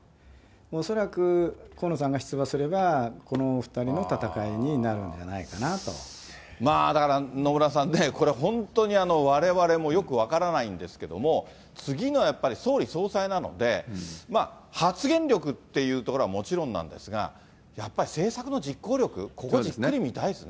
恐らく河野さんが出馬すれば、このお２人の戦いになるんじゃなだから、野村さん、これ、本当にわれわれもよく分からないんですけれども、次のやっぱり総理総裁なので、発言力っていうところはもちろんなんですが、やっぱり政策の実行力、ここをじっくり見たいですね。